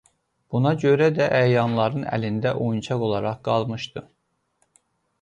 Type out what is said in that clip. Buna görə də əyanların əlində oyuncaq olaraq qalmışdı.